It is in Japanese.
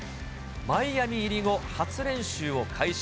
マイアミ入り後、初練習を開始。